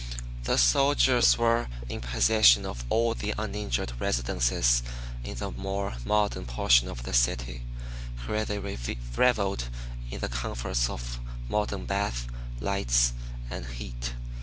The soldiers were in possession of all the uninjured residences in the more modern portion of the city, where they reveled in the comforts of modern baths, lights and heat.